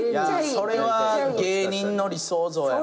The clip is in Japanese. それは芸人の理想像やな。